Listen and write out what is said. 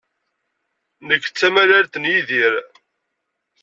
Nekk d tamalalt n Yidir.